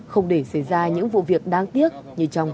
không để xảy ra những vụ vụ đau khổ